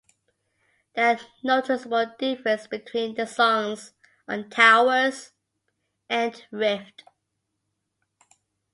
There are noticeable differences between the songs on "Towers..." and "Rift.